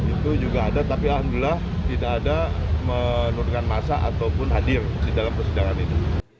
itu juga ada tapi alhamdulillah tidak ada menurunkan masa ataupun hadir di dalam persidangan itu